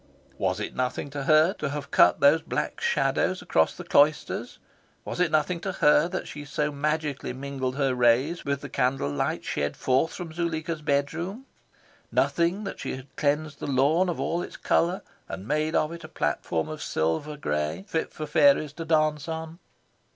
Was it nothing to her to have cut those black shadows across the cloisters? Was it nothing to her that she so magically mingled her rays with the candle light shed forth from Zuleika's bedroom? Nothing, that she had cleansed the lawn of all its colour, and made of it a platform of silver grey, fit for fairies to dance on?